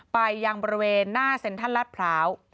ไปยังบริเวณหน้าเช้นท่านรัฐพร้าว